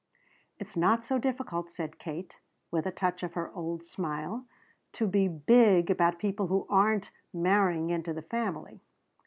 "It's not so difficult," said Kate, with a touch of her old smile, "to be 'big' about people who aren't marrying into the family."